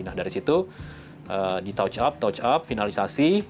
nah dari situ di touch up touch up finalisasi